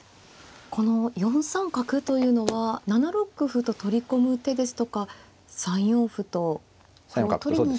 この４三角というのは７六歩と取り込む手ですとか３四歩と歩を取りに行く。